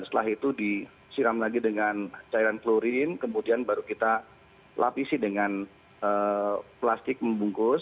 setelah itu disiram lagi dengan cairan klorin kemudian baru kita lapisi dengan plastik membungkus